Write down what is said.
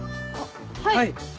はい。